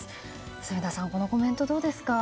住田さん、このコメントはどうですか？